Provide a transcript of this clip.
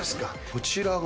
こちらは？